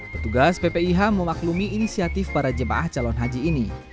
petugas ppih memaklumi inisiatif para jemaah calon haji ini